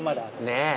◆ねえ？